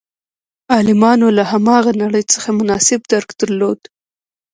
عالمانو له هماغه نړۍ څخه مناسب درک درلود.